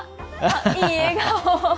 いい笑顔。